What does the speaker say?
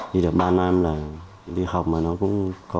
đi được ba năm là đi học mà nó cũng có